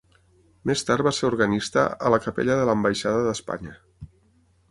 Més tard va ser organista a la capella de l'ambaixada d'Espanya.